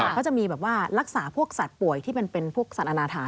เขาจะมีแบบว่ารักษาพวกสัตว์ป่วยที่เป็นพวกสัตว์อาณาธา